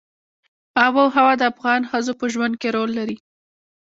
آب وهوا د افغان ښځو په ژوند کې رول لري.